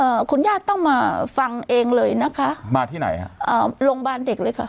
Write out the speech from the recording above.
คุณญาติต้องมาฟังเองเลยนะคะมาที่ไหนฮะอ่าโรงพยาบาลเด็กเลยค่ะ